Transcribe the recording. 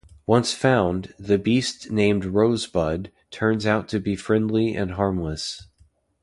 Once found, the beast-named Rosebud-turns out to be friendly and harmless.